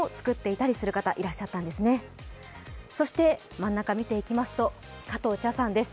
真ん中を見ていきますと、加藤茶さんです。